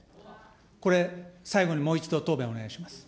これ、最後にもう一度、答弁をお願いします。